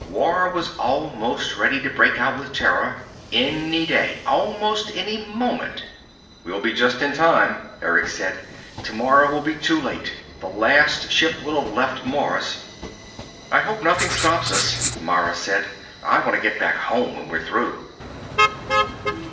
War was almost ready to break out with Terra. Any day, almost any moment. "We'll be just in time," Erick said. "Tomorrow will be too late. The last ship will have left Mars." "I hope nothing stops us," Mara said. "I want to get back home when we're through."